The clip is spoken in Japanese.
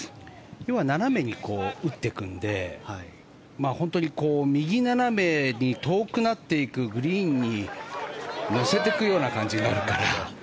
要は斜めに打っていくので本当に右斜めに遠くなっていくグリーンに、乗せていくような感じになるから。